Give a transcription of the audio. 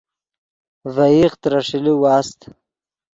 ڤے ایغ ترے ݰیلے واست